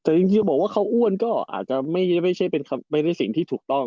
แต่จริงบอกว่าเขาอ้วนก็อาจจะไม่ใช่สิ่งที่ถูกต้อง